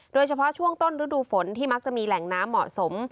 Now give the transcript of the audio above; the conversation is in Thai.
โดยเฉพาะช่วงต้นฤดูฝนที่มักจะมีแหล่งน้ำเหมาะสม